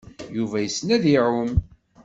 Yuba yessen ad iɛum.